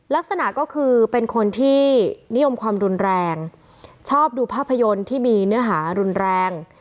ลักษณะก็คือเป็นคนที่นิยมความรุนแรงชอบดูภาพยนตร์ที่มีเนื้อหารุนแรง